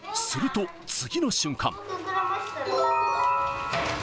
すると、次の瞬間。